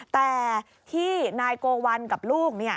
แต่ที่นายโกวัลกับลูก